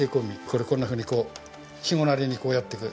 これこんなふうにこうひごなりにこうやっていく。